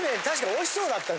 おいしそうだったな。